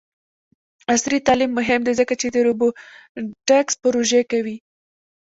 عصري تعلیم مهم دی ځکه چې د روبوټکس پروژې کوي.